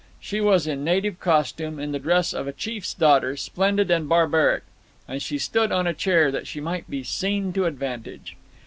She was in native costume, in the dress of a chief's daughter, splendid and barbaric, and she stood on a chair, that she might be seen to advantage.